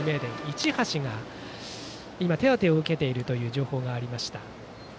市橋が今、手当てを受けているという情報がありました。